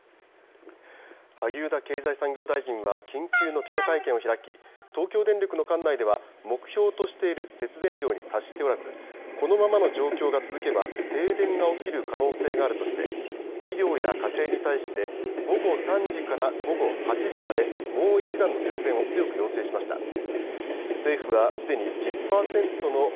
萩生田経済産業大臣は緊急の記者会見を開き東京電力の管内では目標としている節電量に達しておらずこのままの状況が続けば停電が起きる可能性があるとして企業や家庭に対して午後３時から午後８時までもう一段の節電を強く要請しました。